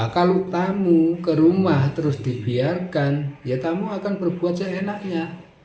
kalau tamu ke rumah terus dibiarkan ya tamu akan berbuat seenaknya